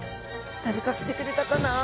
誰か来てくれたかな？